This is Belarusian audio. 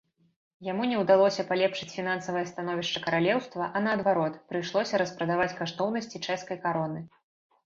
Яму не ўдалося палепшыць фінансавае становішча каралеўства, а наадварот, прыйшлося распрадаваць каштоўнасці чэшскай кароны.